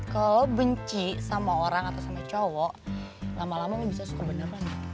kalau lo benci sama orang atau sama cowok lama lama lo bisa suka beneran